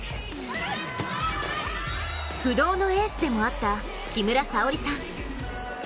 不動のエースでもあった木村沙織さん。